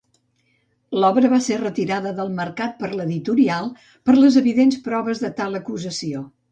L'obra va ser retirada del mercat per l'editorial per les evidents proves de tal acusació.